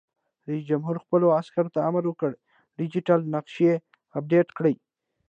رئیس جمهور خپلو عسکرو ته امر وکړ؛ ډیجیټل نقشې اپډېټ کړئ!